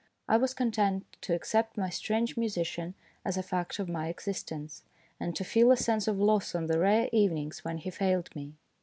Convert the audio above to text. I was content to accept my strange musician as a fact of my existence, and to feel a sense of loss on the rare evenings when he failed me.